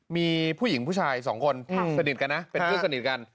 มีผู้หญิงผู้ชายสองคนสนิทกันนะเป็นเพื่อนสนิทกัน